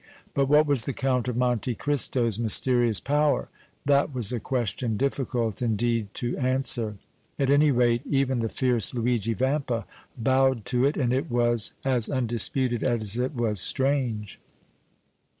But what was the Count of Monte Cristo's mysterious power? That was a question difficult, indeed, to answer. At any rate, even the fierce Luigi Vampa bowed to it, and it was as undisputed as it was strange.